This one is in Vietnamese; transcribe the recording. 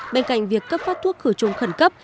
bên cạnh việc cấp phát thuốc khử trùng khẩn cấp